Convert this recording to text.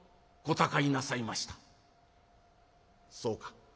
「そうか。